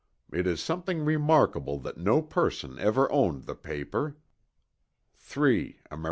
It is something remarkable that no Person ever owned the Paper." (3 Amer.